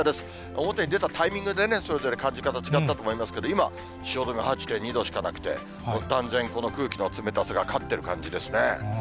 表に出たタイミングでね、それぞれ感じ方、違ったと思いますけど、今、汐留８．２度しかなくて、断然この空気の冷たさが勝ってる感じですね。